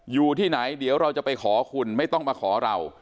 อยู่ที่ไหนเดี๋ยวเราจะไปขอคุณไม่ต้องมาขอเรา